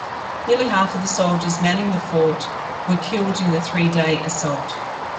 Nearly half of the soldiers manning the fort were killed in the three-day assault.